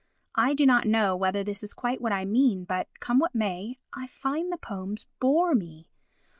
I do not know whether this is quite what I mean but, come what may, I find the poems bore me.